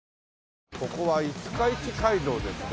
ここは五日市街道ですね。